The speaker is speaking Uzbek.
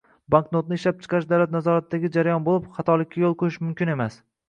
Banknotani ishlab chiqarish davlat nazoratidagi jarayon boʻlib, xatolikka yoʻl qoʻyish mumkin emas.